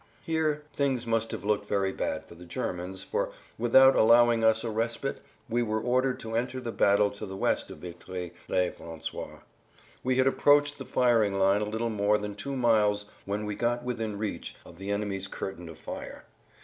Here things must have looked very bad for the Germans for, without allowing us a respite, we were ordered to enter the battle to the west of Vitry le François. We had approached the firing line a little more than two miles when we got within reach of the enemy's curtain of fire.